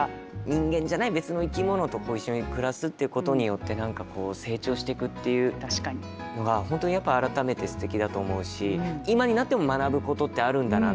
人間じゃない別の生き物と一緒に暮らすってことによって何か成長していくっていうのが本当にやっぱ改めてすてきだと思うし今になっても学ぶことってあるんだな。